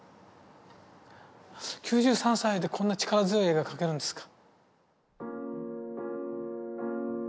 ９３歳でこんな力強い絵が描けるんですか。